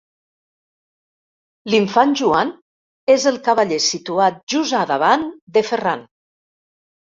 L'Infant Joan és el cavaller situat just a davant de Ferran.